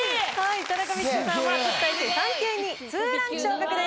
田中道子さんは特待生３級に２ランク昇格です。